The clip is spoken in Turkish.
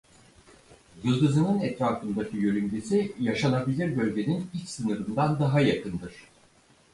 Yıldızının etrafındaki yörüngesi yaşanabilir bölgenin iç sınırından daha yakındır.